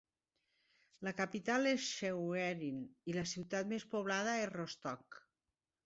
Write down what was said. La capital és Schwerin i la ciutat més poblada és Rostock.